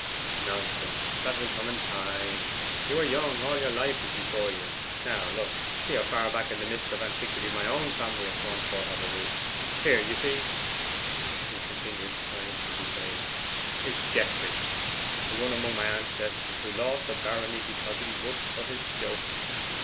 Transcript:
'Nonsense! that will come with time. You are young: all your life is before you. Now look see how far back in the mists of antiquity my own family of Swancourt have a root. Here, you see,' he continued, turning to the page, 'is Geoffrey, the one among my ancestors who lost a barony because he would cut his joke.